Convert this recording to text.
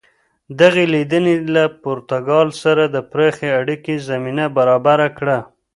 دغې لیدنې له پرتګال سره د پراخې اړیکې زمینه برابره کړه.